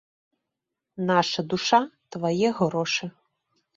Наша душа, твае грошы!